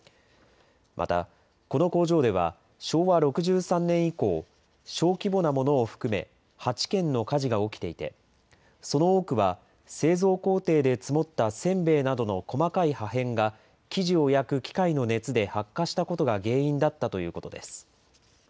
またこの工場では、昭和６３年以降、小規模なものを含め、８件の火事が起きていて、その多くは、製造工程で積もったせんべいなどの細かい破片が生地を焼く機械の熱で発火したことが原因だったということです。